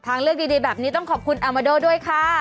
ทางเลือกดีแบบนี้ต้องขอบคุณอามาโดด้วยค่ะ